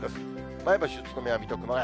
前橋、宇都宮、水戸、熊谷。